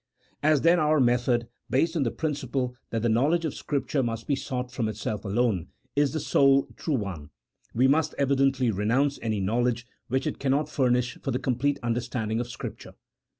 As then our method (based on the principle that the knowledge of Scripture must be sought from itself alone) is the sole true one, we must evidently renounce any knowledge which it cannot furnish for the complete understanding of Scripture.